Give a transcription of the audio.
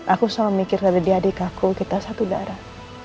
aku selalu mikirkan dia adik aku kita satu daerah